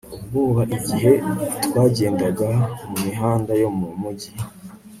ubwoba igihe twagendaga mu mihanda yo mu mugi